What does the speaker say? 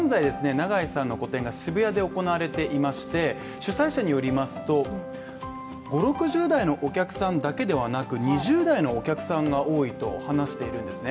永井さんの個展が渋谷で行われていまして、主催者によりますと、６０代のお客さんだけではなく２０代のお客さんが多いと話しているんですね。